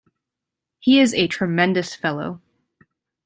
He is a tremendous fellow.